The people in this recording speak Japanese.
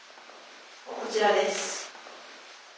こちらです。